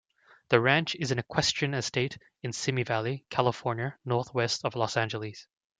The ranch is an equestrian estate in Simi Valley, California, northwest of Los Angeles.